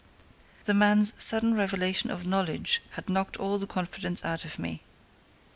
The man's sudden revelation of knowledge had knocked all the confidence out of me.